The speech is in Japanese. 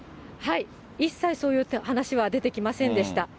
一切そういった話は出てきませんでした。